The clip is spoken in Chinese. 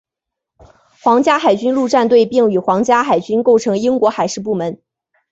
皇家海军陆战队并与皇家海军构成为英国海事部门。